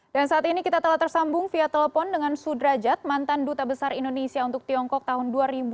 dan saat ini kita telah tersambung via telepon dengan sudrajat mantan duta besar indonesia untuk tiongkok tahun dua ribu lima dua ribu sembilan belas